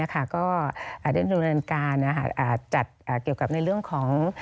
ก็ได้ดำเนินการจัดเกี่ยวกับในเรื่องของ